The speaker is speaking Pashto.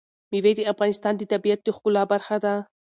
مېوې د افغانستان د طبیعت د ښکلا برخه ده.